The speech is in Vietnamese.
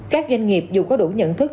các doanh nghiệp dù có đủ nhận thức